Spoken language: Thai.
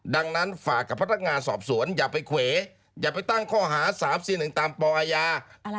ดังนั้นฝากกับพนักงานสอบสวนอย่าไปเขวอย่าไปตั้งข้อหา๓๔๑ตามปอาญา